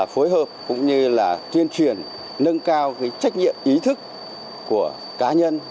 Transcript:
phối hợp cũng như là tuyên truyền nâng cao trách nhiệm ý thức của cá nhân